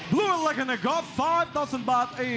ทุกคนครับ